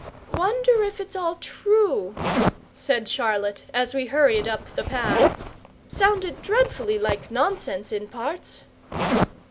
"Wonder if it's all true?" said Charlotte, as we hurried up the path. "Sounded dreadfully like nonsense, in parts!"